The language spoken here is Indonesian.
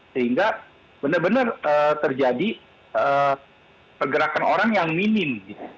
sehingga benar benar terjadi pergerakan orang yang minim